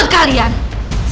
ada acara kalian membalas